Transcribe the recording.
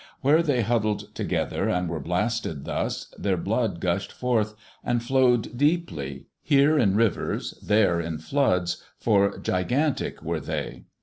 Where they huddled together and were blasted thus, their blood gushed forth and flowed deeply, here in rivers, there in floods, for gigantic were they.